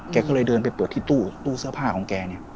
แกก็เลยเดินไปเปิดที่ตู้เสื้อผ้าของแกเนี่ย